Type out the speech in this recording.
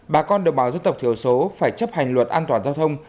bà con đồng bào dân tộc thiểu số phải chấp hành luật an toàn giao thông